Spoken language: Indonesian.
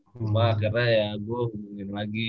cuma akhirnya ya gue hubungin lagi